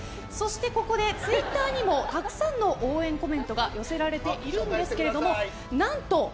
ここでツイッターにもたくさんの応援コメントが寄せられているんですけれどもなんと＃